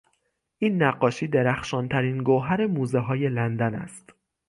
این نقاشی درخشانترین گوهر موزههای لندن است.